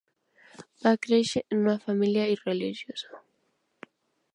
Va créixer en una família irreligiosa.